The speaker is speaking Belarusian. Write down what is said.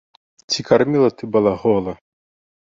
Ці карміла ты балагола?